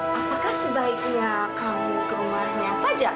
apakah sebaiknya kamu ke rumah nyata aja